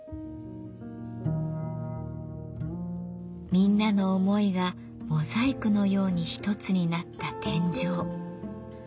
みんなの思いがモザイクのように一つになった天井。